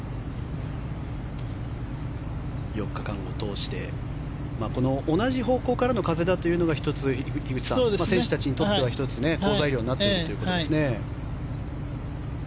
４日間を通してこの同じ方向からの風だというのが１つ、樋口さん選手たちにとっては好材料になっているということですね。